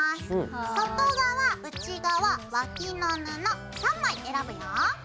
外側内側脇の布３枚選ぶよ。